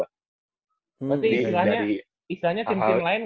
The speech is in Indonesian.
berarti istilahnya tim tim lain